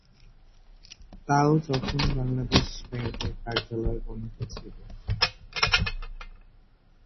তাও যখন বাংলাদেশ ব্যাংকের কার্যালয় বন্ধ ছিল।